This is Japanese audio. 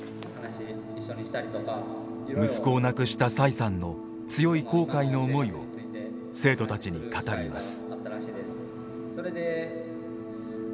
息子を亡くした崔さんの強い後悔の思いを生徒たちに語ります。